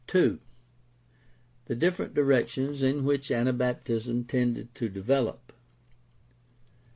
2. The different directions in which Anabaptism tended to develop.